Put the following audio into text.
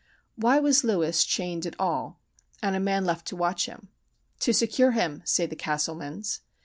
Why was Lewis chained at all, and a man left to watch him? "To secure him," say the Castlemans.